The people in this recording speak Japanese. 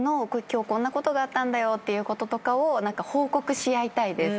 「今日こんなことがあったんだよ」ってこととかを報告し合いたいです。